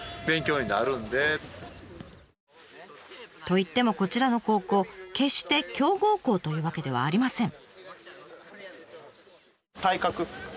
といってもこちらの高校決して強豪校というわけではありません。